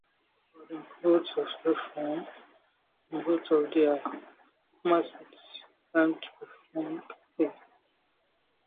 Gordon Coates was Reform, and both of their former seats went to Reform candidates.